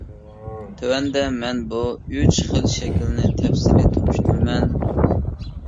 تۆۋەندە مەن بۇ ئۈچ خىل شەكىلنى تەپسىلىي تونۇشتۇرىمەن.